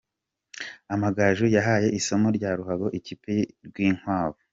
Amagaju yahaye isomo rya ruhago ikipe y’i Rwinkwavu.